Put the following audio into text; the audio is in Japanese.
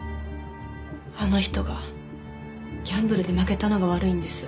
あの人がギャンブルで負けたのが悪いんです。